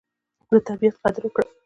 د طبیعت قدر وکړه.